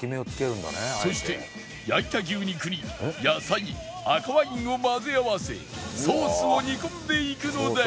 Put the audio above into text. そして焼いた牛肉に野菜赤ワインを混ぜ合わせソースを煮込んでいくのだが